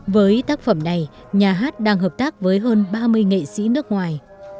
với tác phẩm này nhà hát đang hợp tác với hơn ba mươi nghệ sĩ nước ngoài